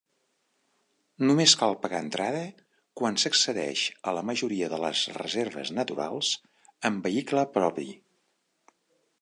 Només cal pagar entrada quan s'accedeix a la majoria de les reserves naturals amb vehicle propi.